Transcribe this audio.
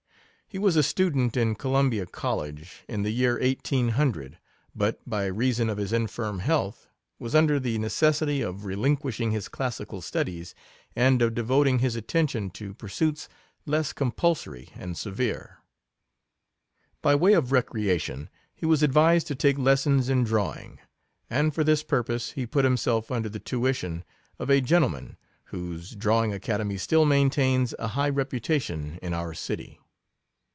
He was a student in Columbia College, in the year 1800, but by reason of his infirm health, was under the necessity of relinquishing his clas sical studies, and of devoting his attention to pursuits less compulsory and severe. By way of recreation, he was advised to take lessons in drawing ; and for this purpose he put himself under the tuition of a gentleman, whose Drawing Academy still maintains a high reputation in our city.